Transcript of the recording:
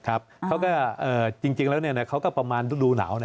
เขาก็จริงแล้วเขาก็ประมาณฤดูหนาว